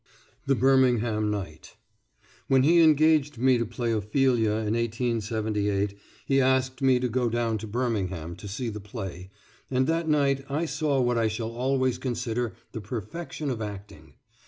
THE BIRMINGHAM NIGHT When he engaged me to play Ophelia in 1878, he asked me to go down to Birmingham to see the play, and that night I saw what I shall always consider the perfection of acting.